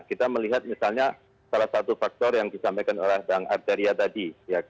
kita melihat misalnya salah satu faktor yang disampaikan oleh bang arteria tadi